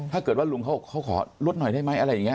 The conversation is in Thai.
ถ้าเกิดว่าลุงเขาขอลดหน่อยได้ไหมอะไรอย่างนี้